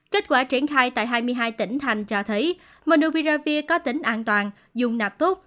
kết quả triển khai tại hai mươi hai tỉnh thành cho thấy manuviravir có tính an toàn dùng nạp tốt